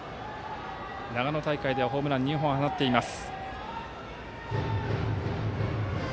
長野大会ではホームラン２本放っています。